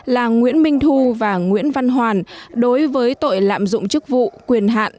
là nguyễn minh thu và nguyễn văn hoàn đối với tội lạm dụng chức vụ quyền hạn